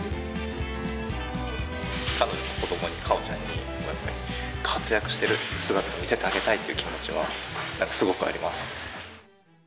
彼女の子どもに果緒ちゃんにやっぱり活躍してる姿を見せてあげたいっていう気持ちはなんかすごくあります